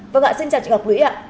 vâng ạ xin chào chị ngọc lũy ạ